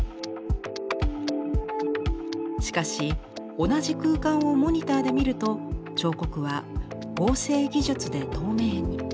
しかし同じ空間をモニターで見ると彫刻は合成技術で透明に。